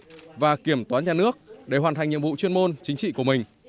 quốc hội và kiểm toán nhà nước để hoàn thành nhiệm vụ chuyên môn chính trị của mình